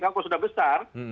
kalau sudah besar